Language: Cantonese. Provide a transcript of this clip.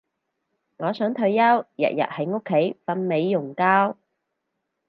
我想退休日日喺屋企瞓美容覺